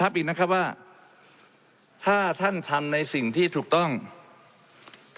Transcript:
และมีผลกระทบไปทุกสาขาอาชีพชาติ